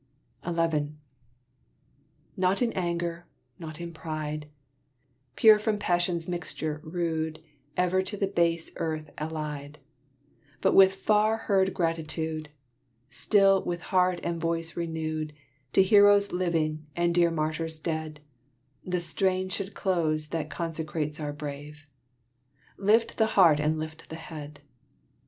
XI Not in anger, not in pride, Pure from passion's mixture rude Ever to base earth allied, But with far heard gratitude, Still with heart and voice renewed, To heroes living and dear martyrs dead, The strain should close that consecrates our brave. Lift the heart and lift the head!